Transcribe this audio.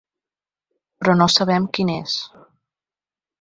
Però no sabem quin és.